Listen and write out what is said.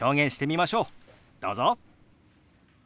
どうぞ！